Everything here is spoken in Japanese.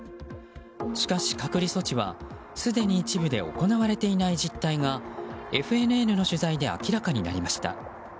しかし、隔離措置はすでに一部で行われていない実態がＦＮＮの取材で明らかになりました。